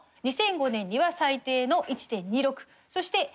２００５年には最低の１．２６そして去年は１．３０。